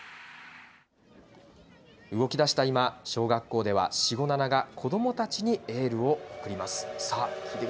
動きだした今、小学校では、シゴナナが子どもたちにエールを送ります。